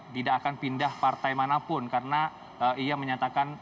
tidak akan pindah partai manapun karena ia menyatakan